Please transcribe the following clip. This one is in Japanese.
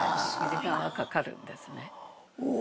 時間がかかるんですね。